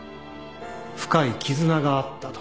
深い絆があったと。